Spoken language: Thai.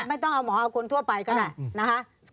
ไม่ต้องเอาหมอเอาคนทั่วไปก็ได้นะคะ